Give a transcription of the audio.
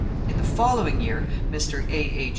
In the following year Mr. A. H.